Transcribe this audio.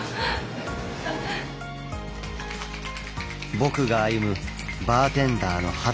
僕が歩むバーテンダーの果て